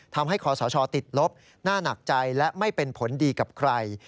คอสชติดลบหน้าหนักใจและไม่เป็นผลดีกับใคร